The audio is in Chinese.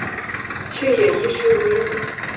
却也衣食无虑